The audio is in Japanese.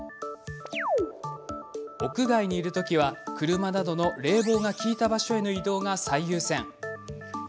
屋外にいるときは車などの冷房が効いた場所への移動が最優先。